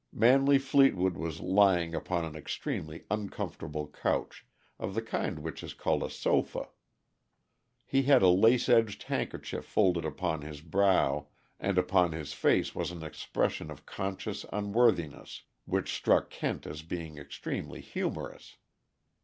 Manley Fleetwood was lying upon an extremely uncomfortable couch, of the kind which is called a sofa. He had a lace edged handkerchief folded upon his brow, and upon his face was an expression of conscious unworthiness which struck Kent as being extremely humorous.